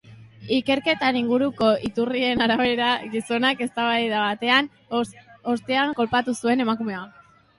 Ikerketaren inguruko iturrien arabera, gizonak eztabaida baten ostean kolpatu zuen emakumea.